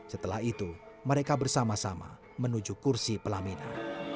setelah itu mereka bersama sama menuju kursi pelaminan